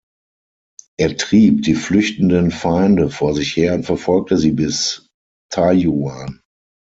Er trieb die flüchtenden Feinde vor sich her und verfolgte sie bis Taiyuan.